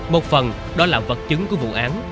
một phần đó là vật chứng của vụ án